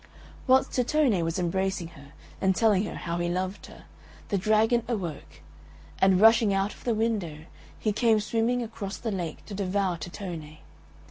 Whilst Tittone was embracing her and telling her how he loved her, the dragon awoke; and, rushing out of the window, he came swimming across the lake to devour Tittone.